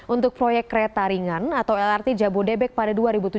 untuk proyek kereta ringan atau lrt jabodebek pada dua ribu tujuh belas